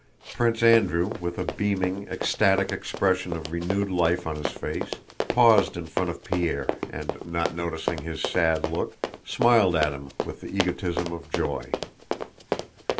Prince Andrew, with a beaming, ecstatic expression of renewed life on his face, paused in front of Pierre and, not noticing his sad look, smiled at him with the egotism of joy.